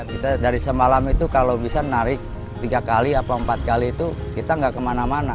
kita dari semalam itu kalau bisa narik tiga kali atau empat kali itu kita nggak kemana mana